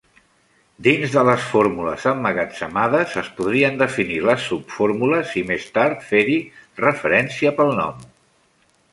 Dins de les fórmules emmagatzemades, es podrien definir les subfórmules i més tard fer-hi referència pel nom.